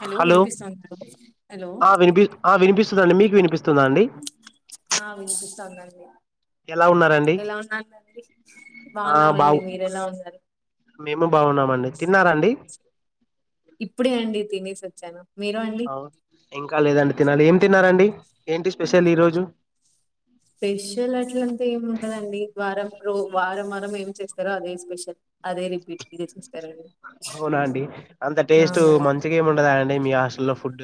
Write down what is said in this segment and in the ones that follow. Hello వినిపిస్త hello ఆ వినిపి ఆ వినిపిస్తుందండి మీకు వినిపిస్ ఆ వినిపిస్తాదండి అ ఎలా ఉన్నారండి ఆ బాగున్నామండి బాగు మీరు ఎలా ఉన్నారు మేము బాగున్నామండి తిన్నారాండి ఇప్పుడే అండి తినేసి వచ్చాను మీరు అండి ఆ ఇంకా లేదండి తినాలి ఏం తిన్నారండి ఏంటి స్పెషల్ ఈరోజు స్పెషల్ అట్లంత ఏమి ఉండదండి వారం రో వారం వారం ఏమి చేస్తారో అదే స్పెషల్ అదే రిపీటెడ్ గా చేస్తారు అవునా అండి అంత టేస్ట్ అవునండి మంచిగా ఏమి ఉండదా అండి మీ హాస్టల్లో ఫుడ్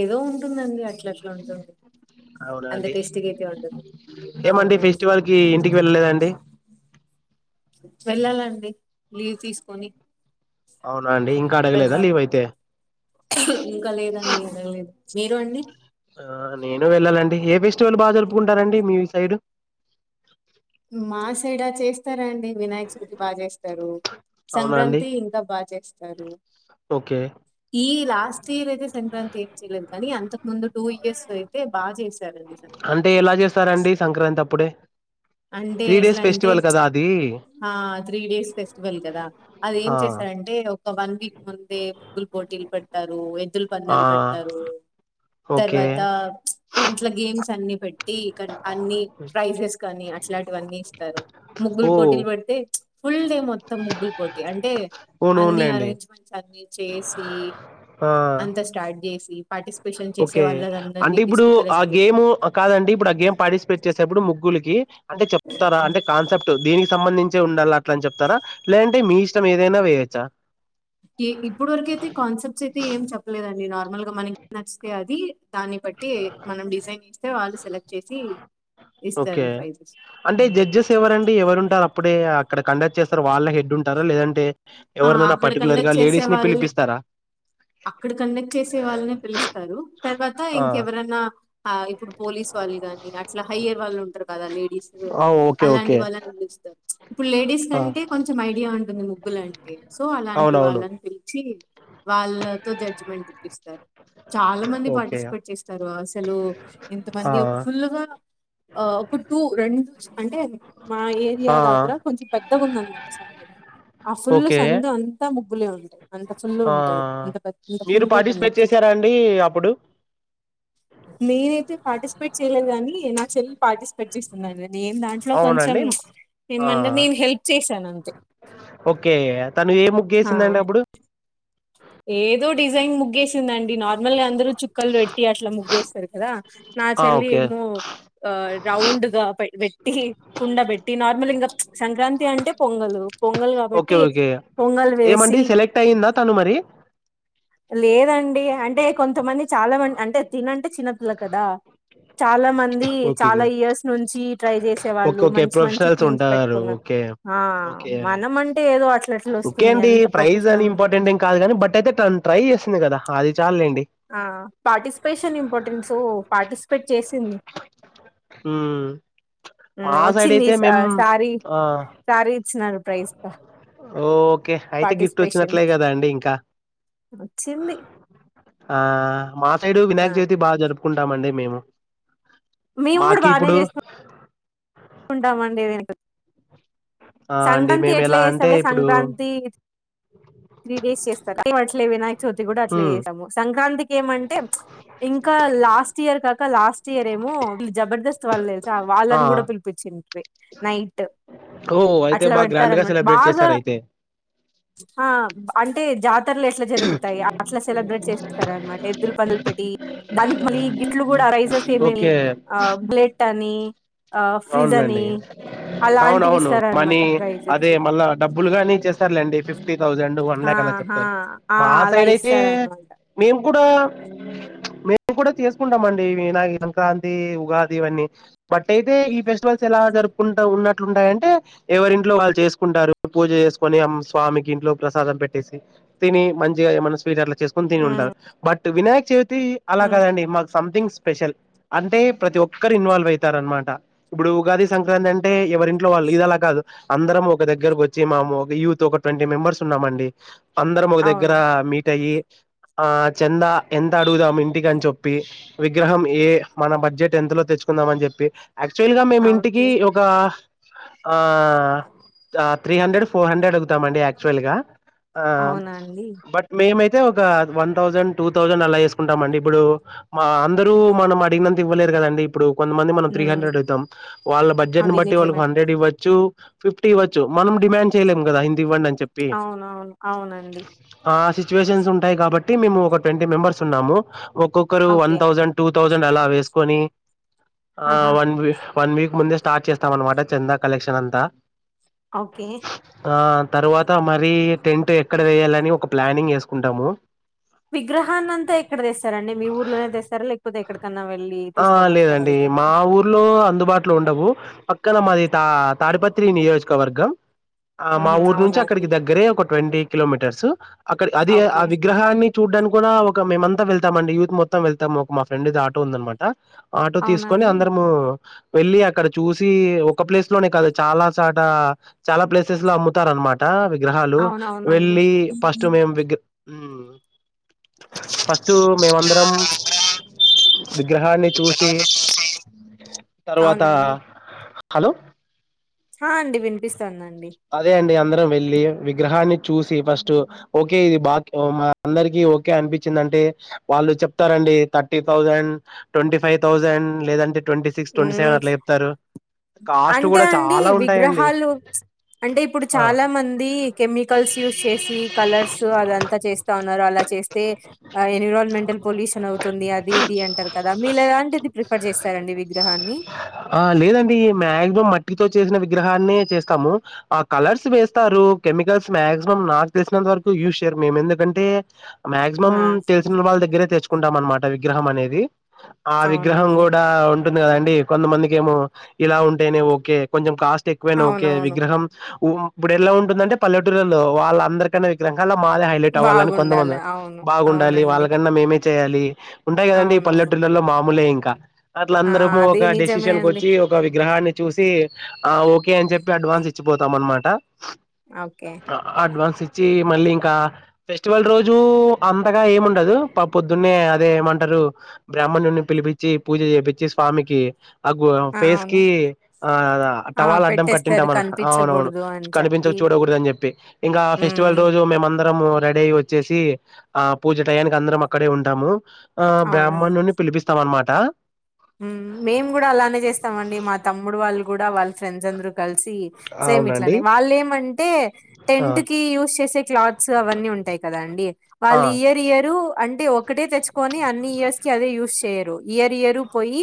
ఏదో ఉంటుందండి అట్లా అట్లా ఉంటుంది అవునా అంత అండి టేస్టీగా అయితే ఉండదు ఏమండి అవునండి ఫెస్టివల్ కి ఇంటికి వెళ్ళలేదండి వెళ్ళాలండి లీవ్ తీసుకొని అవున వెళ్ళాలి ఇంకా లేదండి అడగలేదు మీరు అండి ఆ నేను వెళ్ళాలండి ఏ ఫెస్టివల్ బాగా జలుపుకుంటనండి మీ సైడ్ మాసేడా చేస్తారాండి వినాయక చవతిబాగా చేస్తారు అవునా అండి సంక్రాంతి ఇంకా బాగా చేస్తారు ఓకే ఈ లాస్ట్ ఇయర్ అయితే సంక్రాంతి ఏం చేయలేదు కానీ అంతకు ముందు టూ ఇయర్స్ అయితే బాగా చేస్త అంటే ఎలా చేస్తారండి సంక్రాంతి అప్పుడే అంటే త్రీ ఎట్లా డేస్ అంటే ఫెస్టివల్ కదా అది త్రీ డేస్ ఫెస్టివల్ కదా అది ఏం ఆ చేశారంటే ఒక ముందే ముగ్గులు పోటీలు పెడతారు ఎద్దుల ఆ పందాలు పెడతారు ఓకే తర్వాత అట్ల గేమ్స్ అన్ని పెట్టి అన్ని ప్రైజెస్ కాని వన్నీ ఇస్తారు ముగ్గులు ఓ పోటీలు పడితే ఫుల్ డే మొత్తం ముగ్గులు పోటి అంటే అన్ని ఓనవునులేండి అరేంజ్మెంట్స్ అన్ని చేసి ఆ అంతా స్టార్ట్ చేసి పార్టిసిపేషన్ చేసే ఓకే అంటే వాళ్ళందరివి ఇప్పుడు లిస్ట్ ఆ కలెక్ట్ చేసి గేమ్ కాదండి ఇప్పుడు ఆ గేమ్ పార్టిసిపేట్ చేసేప్పుడు ముగ్గులకి అంటే చెప్తారా అంటే కాన్సెప్ట్ దేని సంబంధించే ఉండాలి అట్లా అని చెప్పి చెప్తారా లేదంటే మీ ఇష్టం ఏదైనా వేయొచ్చా ఇప్పుడు వరకయితే కాన్సెప్ట్స్ అయితే ఏం చెప్పలేదండి నార్ మలుగా మనకి నచ్చితే అది దాన్ని బట్టి మనం డిజైన్ ఎ వాళ్ళు సెలెక్ట్ చేసి ఓకే ఇస్తారు ప్రైజెస్. అంటే హ్మ్. జడ్జెస్ ఎవరండి ఎవరుంటారు అ అప్పుడే అక్కడ కండక్ట్ చేస్తారు వాళ్ళ హెడ్ ఉంటారా లేదంటే ఎవరినైనా అక్కడ పర్టికులర్ గా కండక్ట్ చేసే లేడీస్ ని వాల్లే పిలిపిస్తారా అక్కడ కండక్ట్ చేసే వాళ్ళనే పిలుస్తారు తర్వాత ఆ ఇంకెవరైనా ఇప్పుడు పోలీస్ వాళ్ళు కాని అట్లా హయ్యర్ వాళ్ళు ఉంటారు కదా లేడీస్ ఆ ఓకే అలాంటి ఓకే వాళ్ళని పిలుస్తారు ఇప్పుడు లేడీస్ ఆ కంటే కొంచెం ఐడియా ఉంటుంది ఉమ్ ంటే సో అలాంటి అవునవును వాళ్ళని పిలిచి వాళ్ళతో జడ్జిమెంట్ ఇప్పిస్తారు చాలా మంది ఓకే పార్టిసిపేట్ చేస్తారు అసలు ఇంత ఆ మంది ఒక ఫుల్గా ఆ ఒక టూ రెండు అంటే మా ఏరియా ఆ దగ్గర కొంచెం పెద్దగా ఉందనమాట సం ఆ ఫుల్ ఓకే సందు అంతా ము బ్బులే ఉంటయి అంత ఫుల్ల్ ఆ ఉంటంది అంత పెద్ద అంత మీరు ఫుల్గా కండక్ట్ పార్టిసిపేట్ చే చేశారా అండి అప్పుడు నేనైతే పార్టిసిపేట్ చేయలేదు కాని నా చెల్లి పార్టిసిపేట్ చేసింది అండి నేను దాంట్లో కొంచెం అవునండి ఆ ఏమంటే నేను హెల్ప్ చేశాను అంతే ఓకే తను ఏ ముగ్గు ఆ వేసిందండి అప్పుడు ఏదో డిజైన్ ముగ్గేసిందండి నార్మల్ గా అందరు చుక్కలు పెట్టి అట్లా ముగ్గు వేస్తారు కదా నా ఆ చెల్లి ఓకే ఏమో రౌండ్ గా పై పై ట్టి కుండ పెట్టి నార్మల్ ఇంకా ప్చ్ సంక్రాంతి అంటే పొంగలు పొంగల్ ఓకే కాబట్టి ఓకే పొంగల్ ఏమండి వేసి సెలెక్ట్ అయ్యిందా తను మరి లేదండి అంటే కొంతమంది చాలా మంది అంటే తినంటే చిన్నపిల్ల కదా చాలా మంది ఓకే చాలా ఇయర్స్ నుంచి ట్రై చేసే ఓకే వాళ్ళు ఓకే మంచి మంచి ప్రొఫెషనల్స్ థీమ్స్ ఉంటారు పెట్టుకున్నారు ఓకే ఆ ఓకే మనం అంటే ఏదో అట్లట్ల ఓకే వస్తుంది అండి అంత ప్రైజ్ అని ప్రొఫెషనల్ ఉండము ఇంపార్టెంట్ ఏం కాదు కానీ బట్ అయితే ట తను ట్రై చేసింది కదా అది చాలులేండి ఆ పార్టిసిపేషన్ ఇంపార్ సో పార్టిసిపేట్ చేసింది అ వచ్చింది సారీ ఆ సారీ ఇచ్చినారు ప్రైజ్‌గా ఓకే అయితే గిఫ్ట్ వచ్చినట్లే పార్టిసిపేషన్‌కి. కదా అండి ఇంకా వచ్చింది. ఆ మా సైడు ఆ! వినాయక చవితి బాగా జరుపు కుంటామండి మేము మేము కూడా మాకి బాగానే ఇప్పుడు చేస్తాం ఉంటామండి వెను ఆ అండి సంక్రాంతి మేము ఎట్లా ఎలా అంటే చేస్తామ ఇప్పుడు సంక్రాంతి త్రీ డేస్ చేస్తారా ట్లేవి నా చ్యోతి కూడా అట్లా హ్మ్ వసాము సంక్రాంతికి ఏమంటే ఇంకా లాస్ట్ ఇయర్ కాక లాస్ట్ ఇయర్ ఏమో జబర్దస్త్ వాళ్ళు తెలుస ఆ వాళ్ళని కూడా పిలు నైట్ ఓ అయితే అట్లా బాగా గ్రాండ్ గా పెడతారునమాట సెలబ్రేట్ బాగా చేశారు అయితే ఆ అంటే జాతలు ఎట్ జరుగుతాయి అట్లా సెలబ్రేట్ చేస్తార అనమాట గిలు పందులు పెట్టి దానికి మళ్ళీ ఇట్లు కూడా రైజెస్ ఏమి ఓకే ఆ బ్లెట్ అని ఆ ఫ్రిజ్ అని అవునులేండి అవున అలాంటివి అవును మనీ ఇస్తారనమాట అదే ప్రైజెస్ మళ్ళా డబ్బులు గాని ఇచ్చేస్తారులేండి ఫిఫ్టీ థౌజండ్ రండు వన్ ఆ లక్ అలా చెప్తారు ఆ మా అలా సైడ్ అయితే ఇస్తారనమాట మేము కూడా మేము కూడా చేసుకుంటామ అండి నా సంక్రాంతి ఉగాది ఇవన్నీ బట్యి అయ్తే ఇ ఎలా జరుపుకుంటా ఉన్నా టాయంటే ఎవరింట్లో వాళ్ళు చేసుకుంటారు పూజ చేసుకొని స్వామికి ఇంట్లో ప్రసాదం పెట్టేసి తిని మంచిగా ఏమన్నా స్వీటర్ చేసుకుొని తిని ఉంటారు బట్ ట వినాయక్ చె త అలాగదండి మా సంథింగ్ స్పెషల్ అంటే ప్రతి ఒక్కరు ఇన్వాల్వ్ అవుతార అనమాట ఇప్పుడు ఉగాది సంక్రాంతి అంటే ఎవరింట్లో వాళ్ళు ఇది అలా కాదు అందరం ఒక దగ్గరకు వచ్చి మాము యూత్ ఒక ట్వంటీ మెంబర్స్ ఉన్నామండి అందర ఒక దగ్గర అవును మీట్ అయి ఆ చందా ఎంత అడుగుదాం ఇంటికి అని చెప్పి విగ్రహం ఏ మన బడ్జెట్ ఎంతలో తెచ్చుకుందాం అని చెప్పి యాక్చువల్ గా మేము ఆ! ఇంటికి ఓకే ఒక ఆ త్రీ హండ్రెడ్ ఫోర్ హండ్రెడ్ అడుగుతామండి యాక్చువల్ గా ఆ అవునండి. బట్ మేమై అయితే ఒక వన్ థౌసండ్ టూ థౌసండ్ అలా వేసుకుంటాం అండి ఇప్పుడు మా అందరూ మనం అడిగినంత ఇవ్వలేరు కదండి ఇప్పుడు కొంతమంది త్రీ హ్మ్. హండ్రెడ్ అవుతాం వాళ్ళ బడ్జెట్ ని అది బట్టి నిజమే వాళ్ళకి అండి. హండ్రెడ్ ఇవ్వచ్చు ఫిఫ్టీ వచ్చ మనం డిమాండ్ చేయలేం కదా ఇం అవునవును అవునండి ఆ సిచ్యువేషన్స్ ఉంటాయి కాబట్టి మేము ఒక ట్వంటీ మెంబర్స్ ఉన్నాము ఒక్కొక్కరు one okay. Thousand two thousand అలా వేసుకొని ఆ ఆహా! వన్ వ వన్ వీక్ ముందే స్టార్ట్ చేస్తాం అనమాట చంద కలెక్షన్ అంతా ఓకే ఆ తర్వాత మర టెంట్ ఎక్కడ వేయాలని ఒక ప్లానింగ్ చేసుకుంటాము విగ్రహాన్ని అంతా ఎక్కడ తెస్తారండి మీ ఊర్లోనే తెస్తార లేకపోతే ఎక్కడ ఆ లేదండి మా ఊర్లో అందుబాటులో ఉండవు పక్కన మాది తా తాడిపత్రి నియోజకవర్గం ఆ మా హుహు. ఊరు నుంచి అవునా అండి? అక్కడికి దగ్గరే ఒక ట్వంటీ కిలోమీటర్స్ అక్కడ అది ఆ ఓకే. విగ్రహాన్ని చూడ్డానికి కూడా ఒక మేమంతా వెళ్తాం యూత్ మొత్తం వెళ్తాం మా ఫ్రెడ్ ఇది ఆటో ఉందనమాట ఆ ఆటో అవునా తీసుకొని అండి? అందరము వెళ్ళి అక్కడ చూసి ఒక ప్లేస్ లోనే కాదు చాలా చట చాలా ప్లేసెస్ లో అమ్ముతారు అనమాట గ్రహాలు అవునవునండి. వెళ్ళి ఫస్ట్ మేము వి ఉ ఫస్ట్ మేమందరం విగ్రహాన్ని చూసి తర్వాత అవునండి. హలో హా అండి వినిపిస్త అదే అండి అందరం వెళ్లి విగ్రహాన్ని చూసి ఫస్ట్ ఓకే ఇది బా మా అందరికి ఓకే అనిపించింది అంటే వాళ్ళు చెప్తారంండి thirty thousand twenty five thousand లేదంటే ట్వంటీ సిక్స్ ట్వంటీ హ్మ్. సెవెన్ అట్లా చెప్తారు కాస్ట్ అంటే కూడా అండి చాలా ఉంటాయంండి విగ్రహాలు అంటే ఇప్పుడు చాలా మంది కెమికల్స్ యూస్్ చేసి కలర్స్ అదంతా చేస్తా ఉన్నారు అలా చేస్తే ఎన్విరాన్మెంటల్ పొల్యూషన్ అవుతుంది అది ఇది అంటారు కదా మీళలాంటిది ప్రిఫర్ చేస్తారండి విగ్రహాన్ని? ఆ లేదండి మ్యాక్సిమం మట్టితోచ్చి చేసిన విగ్రహాన్ని చేస్తాము ఆ కలర్స్ వేస్తారు కెమికల్స్ మాక్సిమం నాకు తెలిసినంత వరకు యూజ్ చేయరు మేము ఎందుకంటే మాక్సిమం ఆ! తెలిసిన వాళ్ళ దగ్గరే తెచ్చు కుంటాం అనమాట విగ్రహం అనేది ఆ విగ్రహం అవునండి. కూడా ఉ ఉంటుంది కదండి కొంతమందికి ఏమో ఇలా ఉంటేనే ఓకే కొంచెం కాస్ట్ ఎక్వ ఓక అవునవును. ఇప్పుడు ఎలా ఉంటుందంటే పల్లెటూరులో వాళ్ళందరికైన్నా విగ్రహ అలా మాదే హైలైట్ అవ్వాలిని బాగుండాలి. కొంతమంది అవును. బాగుండి వాళ్ళ అవునండి. కన్నా మేమే చేయాలి ఉంటాయి కదండడి అవునవును. పలెల్లల్లో మామూలే ఏం కా అట్ల ఆ! అందరము అది ఒక నిజమే డెసిషన్ కు అండి. వచ్చి ఒక విగ్రహాన్ని చూసి ఆ ఒకే అని చెప్పి అడ్వాన్స్ మార్చిపోతాం అన్మాట ఓకే. అడ్వాన్స్ ఇ వచ్చి మళ్ళీ ఇంకా ఫెస్టివల్ రోజు అంతగా ఏముండదు పొద్దున్నే అదే ఏమంటారు బ్రాహ్మణుని పిలిపచ్చి పూజ చేపిచ్చి స్వామికి ఆ ఫేస్ కి ఆ ఆ! టవాల్ అడ్డం కట్టింట పెట్టేస్తారు మన్ అవునవును కనిపించకూడదు అని కనిపించక చెప్పి. చూడకూదు అని చెప్పి ఇంగ ఫెస్టివల్ హ్మ్. రోజు మేం ఆన్ అందరము రెడీ అయి వచ్చేసి ఆ పూజ టయానికి అందరం అక్కడే ఉంటాము ఆ అవునండి. బ్రాహ్మణుని పిలిపిస్తాం అన్నమట ట హ్మ్. మేము కూడా వాళ్ళ ఫ్రెండ్స్ అందరు కలిసి సేమ్ అవునండి ఇట్లనే వాళ్ళ ఏమంటే ఆ టెంట్ కి యూస్ చేసే క్లాత్స్ అవన్నీ ఉంటాయి కదా అండి ఆ వాళ్ళు ఇయర్ ఇయరు అండి ఒక ఒక్కటే తెచ్చుకోని అన్ని ఇయర్స్ కి అదే యూస్ చేయ్యి ఇయర్ ఇయరు పొయ్యి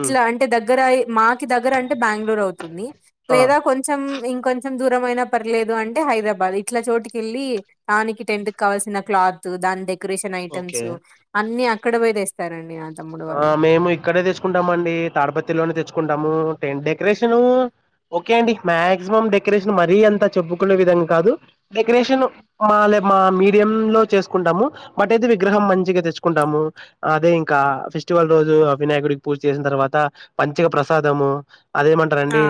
ఉమ్ అంటే దగ్గర అయ్ మా దగ్గర అంటే బెంగ్ళూర్ అవుతుంది ఆ లేదా కొంచెం ఇంకొంచెం దు దూరం ఆయన పర్లేదు అంటే హైదరాబాద్ ఇట్ల చోటుకి వెళ్ళి దానికి టెంట్ కావాల్సిన క్లాత్ దాని దగ్గర డెకరేషన్ ఓకే ఐటమ్స్ అన్ని అక్కడ పోయి తెస్తారండి అ ఆ మేము ఇక్కడే తెచ్చుకుంటామ అండి తాడిపత్రిలోనే తెచ్చుకుంటాము డెకరేషన్ ఓకే అండి మాక్సిమం డెకరేషన్ మరీ అంత చెప్పుకునే విధంగా కాదు డెకరేషన్ మ మా మీడియం లో చేసుకుంటాము బట్ అయితే విగ్రహం మంచిగా తెచ్చుకుంటాము అదే ఇంకా ఫెస్టివల్ రోజు అ వినయకుడికి పూజ చేసిన తర్వాత పంచగ ప్రసాదము ఆ అదేమంటారండి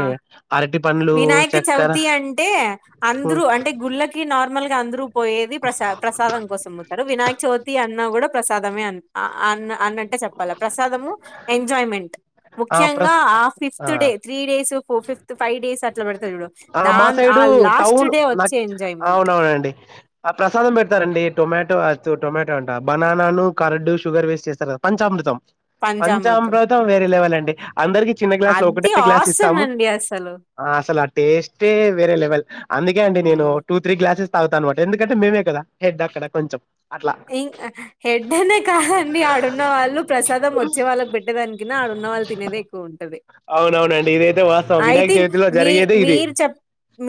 అరటి పండ్లు వినాయక చక్కెర చవితి అంటే అందరు అంటే గుళ్ళకి నార్మల్ అందరూ పోయేది ప్రసా ప్రసాదం కోసం పోతారు వినాయక చోవితి అన్న కూడ ప్రసాదమే అ ఆ అన్నట్ చెప్పాల ప్రసాదము ఎంజాయ్మెంట్ ఆ ముఖ్యంగా ప్రస్ ఆ ఫిఫ్త్ ఆ డే త్రీ డే ఫో ఫిఫ్త్ ఫైవ్ డేస్ అట్ల పెడ ఆ మా సైడు టౌన్ నా వచ్చే ఎంజాయ్మెంట్ అవునవునండి ఆ ప్రసాదం పెడతారండి టొమాటో అ టొమాటో అంట బనానాను కరడ్డు షుగర్ వేసి చేస్తరు కదా పంచామృతం పంచామృతం వేరే లేవెలండి అందరికి చిన్న గ్లాస్ లో అది ఒకటె గ్లాస్ ఆసమ్ ఇస్తాము అండి అసలు అసలు అ టెస్ట్ ఏ వేరే లెవెల్, అందుకే అండి నేను మ్మ్ టూ, త్రీ గ్లా గ్యాసెస్ [unintelligible] ఎందుకు అంటె మేమే కదా హెడ్ అక్కడ కొంచం. ఇంగ్ ఆ హెడ్ అనే కాదండి, ఆడున్న వాళ్ళు ప్రసాదం వచ్చే వాళ్ళకి పెట్టేదాని కన్నా ఆడున్నవాళ్ళు తినేదే ఎక్కువ ఉంటది. అవునవునండి ఇదైతే వాస్తవం వినాయక ఐథింక్, చవితిలో మీ జరిగేదే ఇది మీరు చెప్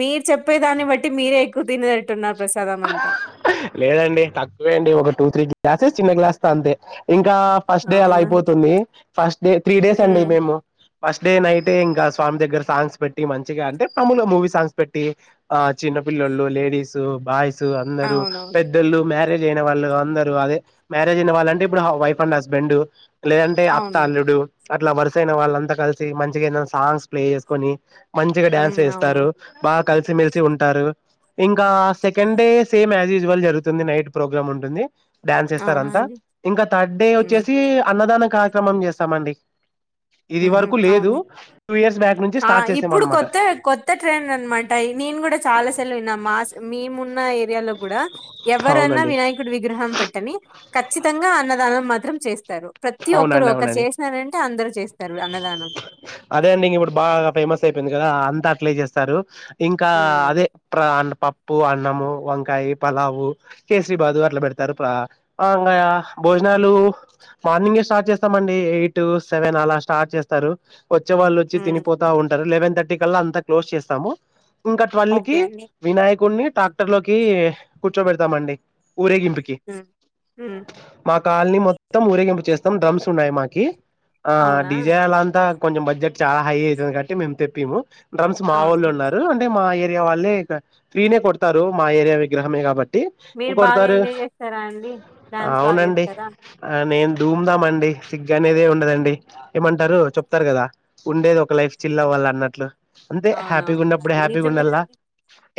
మీరు చెప్పే దాన్ని బట్టి మీర్. ఎక్కు తినే టట్టున్నం. లేదండి తక్. లెండి. ఒక టూ, త్రీ గ్లాసెస్, చిన్న గ్లాస్ తో అంతే. ఇంక్ గా ఫస్ట్ డే అలా అవునా అయిపోతుంది. ఫష్. ఏ, త్రీ డేస్ అండి ఉమ్ మేము. ఫస్ట్ డే నైటే ఇంకా స్వామి దగ్గర సాంగ్స్ పెట్టి మంచిగా అంటే, మాముల మూవీస్ సాంగ్స్ పెట్టి ఆ చిన్న పిల్లొలు, లేడీస్, బాయ్స్. సు అందరు అవునవును పెద్దోళ్ళు, మ్య ఏజ్ అయినా వాళ్ళు అందరు అదే, మ్యారేజ్ అయిన వాళ్ళంటే, హా ఇప్పుడు వైఫ్ అండ్ హస్బెండు. లేదంటే అత్త, అవును అల్లుడు. అట్లా వరుసైన వాళ్ళంతా కలిసి, మంచిగా ఏదన్నా సాంగ్స్ ప్లే చేసుకొని. మంచిగా డ్యాన్స్ ఉమ్ అవును వేస్తారు. బాత్ కలిసిమెలిసి ఉంటారు. ఇంకా second day same usual జరుగుతుంది, నైట్ ప్రోగ్రామ్ ఉంటుంది. డ్యాన్స్ ఏస్తారు అవునా అంతా. అండి ఇంకా థర్డ్ డే ఉమ్ ఓచ్చేసి అన్నదానక్. కార్యక్రమం చేస్తామండి. ఇది వరకు లేదు టూ ఇయర్స్ బ్యాక్ నుంచి ఆ స్టార్ట్ చేసాం ఇప్పుడు అనమాట కొత్త కొత్త ట్రెండ్ అన్నమాట. ఈ నేన్ కూడా చాలా సార్లు విన్నా. మాస్ మేమున్. [unintelligible] గూడ ఎవరన్నా అవునండి వినాయకుడి విగ్రహం పెట్టని. ఖచ్చితంగా అన్నదానం మాత్రం చేస్త్. తరు. ప్రతి ఒక్కరు అవునండి ఒకర్ అవునండి చేసైనారంటే, అందరు చేస్త్. అదే అండి ఇంగ్ ఇప్పుడు బాగా, ఫేమస్ అయిపోయింద్. గాదా అంతా అట్లే చేస్తారు. ఇంకా అదే ఉమ్ ట్రాన్, పప్. ప్పు, అన్నము, వంకాయి, పలావు, కేసరి బాదు అట్లా పెడతారు. ప్రా అవుం యా భోజనాలు. మార్నింగే స్టార్ట్ చేస్తామండి. ఎయిట్, సెవెన్ అలా స్టార్ట్ చేస్తారు. ఓచ్చే వాళ్ళు ఓచ్చి ఉమ్ తినిపోత ఉంటారు. లేదన్ సిక్స్ థర్టీ కల్లా అంతా క్లోజ్ చేస్తాము. ఇంకా ట్వెల్వ్ ఓకే కి అండి వినాయకుడిని. ట్రాక్టర్ లోకి కూర్చోబెడతామండి. ఊరేగింపుకి ఉమ్ ఉమ్ మా కాలనీ మొ త్తం ఊరేగింపు చేస్తం డ్రమ్స్ ఉన్నాయి మాకి ఆ అవునా డిజె అలా అంతా కొంచం బడ్జెట్ చాలా హై అవుతాది కాట్టి మేము తెప్పిము డ్రమ్స్ మా వాళ్ళు అవునవును ఉన్నారు అంటే మా ఏయా వాళ్ళే ఫ్రీ నే కొడతారు మా ఏరియా విగ్రహమే కాబట్టి మీరు బాగా కొడతారు ఎంజాయ్ చేస్తారా అండి డ్యాన్స్ బాగా అవునండి చేస్తారా ఆ నేను దూమ్ దామం అండి సిగ్ అనేదే ఉండదండి ఏమంటారు చెప్తారు కదా ఉండేది ఒక లైఫ్ చిల్ల వాళ్ళు అన్నట్లు. అంతే హ్యాపీగా అవునవును ఉన్నప్పుడు అది హ్యాపీగా నిజమే ఉండలా. అండి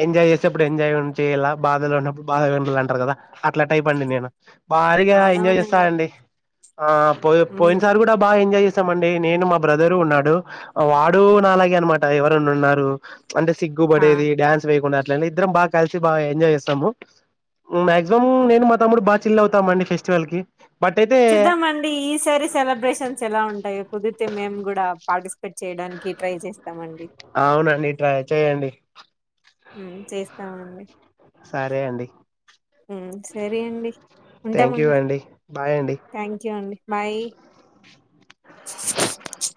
ఎంజాయ్ చేసేప్పుడు ఎంజాయ్ చేయాల బాధలో ఉన్నపుడు బాధా ఉండాల అంటారు కదా. అట్లా టైప్ అండి హ్మ్. నేను భారీగా ఎంజాయ్ చేస్తా. ఇంకా అవునవునండి అండి ఆ పోయి పోయిన ఉమ్ సారీ కూడా బాగా ఎంజాయ్ చే స్తామండి నేను మా బ్రదరు ఉన్నాడు వాడు నాలాగే అనమాట ఎవరైనా ఉన్నారు. అంటే సిగ్గు ఆ పడేది డ్యాన్స్ వేయకుండా ఇట్లానే ఇద్దరం బాగా కలిసి బాగా ఎంజాయ్ చేస్తాము. మాక్సిమం నేను మా తమ్ముడు బాగా చిల్ అవుతామండి ఫెస్టివల్ కి. బట్ అయితే చూద్దామండి ఈసారి సెలబ్రేషన్స్ ఎలా ఉంటాయో కుదిరితే మేము కూడా పార్టిసిపేట్ చేయడానికి ట్రై చేస్త అవునండి ట్రై చెయ్యండి. హ్మ్ చేస్తామండి. సరే అండి హ్మ్ సరే అండి థ్యాంక్ యూ ఉంటామండి అండి బాయ్ అండి థ్యాంక్ యూ అండి. బాయ్. చుక్ చుక్.